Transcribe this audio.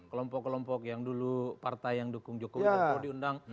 kelompok kelompok yang dulu partai yang dukung jokowi prabowo diundang